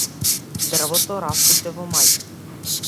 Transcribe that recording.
Дрвото расцуте во мај.